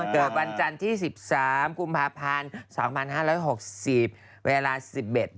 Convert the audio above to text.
เกิดวันจันทร์ที่๑๓กุมภาพันธ์๒๕๖๐เวลา๑๑๐๑นาทีครับ